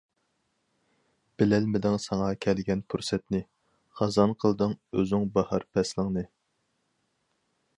بىلەلمىدىڭ ساڭا كەلگەن پۇرسەتنى، خازان قىلدىڭ ئۆزۈڭ باھار پەسلىڭنى.